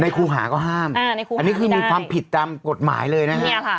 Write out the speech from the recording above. ในโครงหาก็ห้ามอ่านนี้มีความผิดตามกฎหมายเลยนะคะ